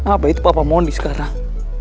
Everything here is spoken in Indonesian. abah itu papa mundi sekarang